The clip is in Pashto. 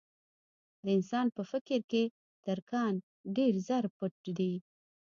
د انسان په فکر کې تر کان ډېر زر پټ دي.